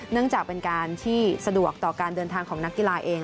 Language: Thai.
จากเป็นการที่สะดวกต่อการเดินทางของนักกีฬาเอง